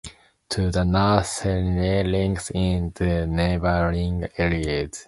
To the north, Shirley links into neighbouring areas.